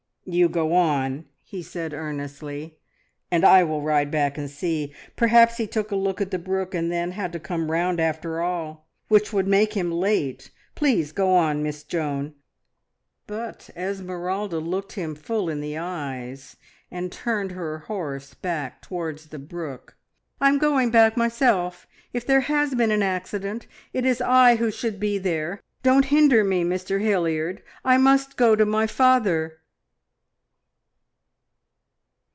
"You go on," he said earnestly, "and I will ride back and see. Perhaps he took a look at the brook and then had to come round after all, which would make him late. Please go on, Miss Joan." But Esmeralda looked him full in the eyes and turned her horse back towards the brook. "I am going back myself. If there has been an accident, it is I who should be there. Don't hinder me, Mr Hilliard. I must go to my father."